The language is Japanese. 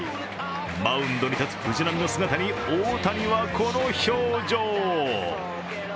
マウンドに立つ藤浪の姿に大谷はこの表情。